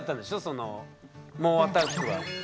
その猛アタックは。